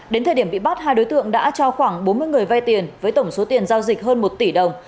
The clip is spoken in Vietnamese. đến thời điểm bị bắt hai đối tượng đã cho khoảng bốn mươi người vay tiền với tổng số tiền giao dịch hơn một tỷ đồng